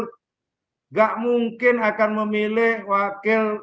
tidak mungkin akan memilih wakil